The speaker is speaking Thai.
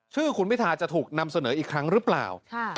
ชื่อคุณพิทาจะถูกนำเสนออีกครั้งหรือเปล่า